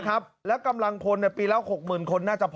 ครับและกำลังพนธุ์ปีแล้ว๖หมื่นคนน่าจะพอ